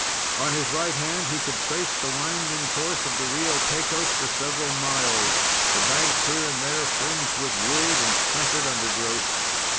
On his right hand, he could trace the winding course of the Rio Pecos for several miles, the banks here and there fringed with wood and stunted undergrowth.